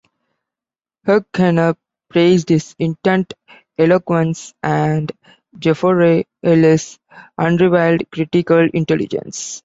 Hugh Kenner praised his "intent eloquence", and Geoffrey Hill his "unrivalled critical intelligence".